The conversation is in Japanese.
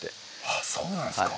ああそうなんですか。